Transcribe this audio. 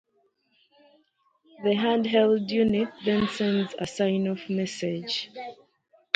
The hand held unit then sends a sign-off message.